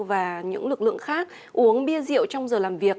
và những lực lượng khác uống bia rượu trong giờ làm việc